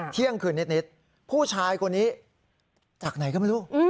เที่ยงคืนนิดผู้ชายคนนี้จากไหนก็ไม่รู้